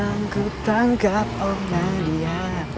datang ku tangkap om nadia